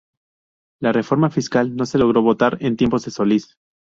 La reforma fiscal no se logró votar en tiempos de Solís.